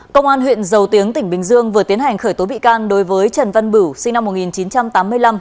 công an huyện dầu tiếng tỉnh bình dương vừa tiến hành khởi tố bị can đối với trần văn bửu sinh năm một nghìn chín trăm tám mươi năm